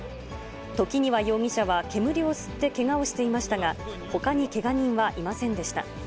時庭容疑者は煙を吸ってけがをしていましたが、ほかにけが人はいませんでした。